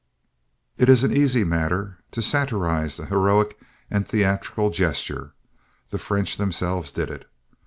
It is an easy matter to satirize the heroic and theatrical gesture. The French themselves did it.